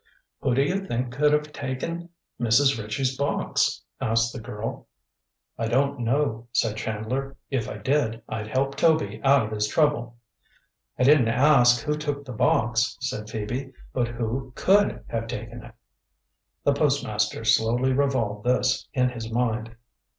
"Who do you think could have taken Mrs. Ritchie's box?" asked the girl. "I don't know," said Chandler. "If I did, I'd help Toby out of his trouble." "I didn't ask who took the box," said Phoebe; "but who could have taken it." The postmaster slowly revolved this in his mind.